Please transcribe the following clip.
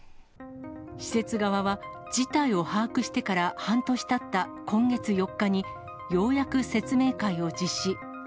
施設側は、事態を把握してから半年たった今月４日に、ようやく説明会を実施。